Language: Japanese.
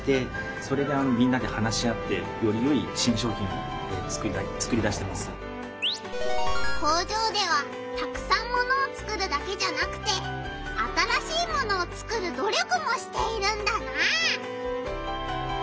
できるだけこうやって工場ではたくさんものをつくるだけじゃなくて新しいものをつくる努力もしているんだな！